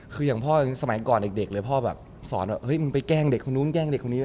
คืออย่างพ่อสมัยก่อนเด็กเลยพ่อแบบสอนว่าเฮ้ยมึงไปแกล้งเด็กคนนู้นแกล้งเด็กคนนี้